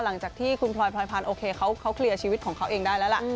หลังจากที่คุณพลอยพลอยพันธ์โอเคเขาเคลียร์ชีวิตของเขาเองได้แล้วล่ะ